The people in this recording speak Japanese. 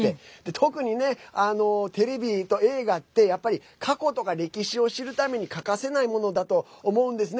特にね、テレビと映画ってやっぱり過去とか歴史を知るために欠かせないものだと思うんですね。